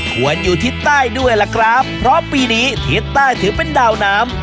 ควรอยู่ทิศใต้ด้วยล่ะครับเพราะปีนี้ทิศใต้ถือเป็นดาวน้ำ